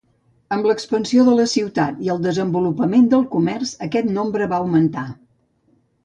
Amb l'expansió de la ciutat i el desenvolupament del comerç, aquest nombre va augmentà.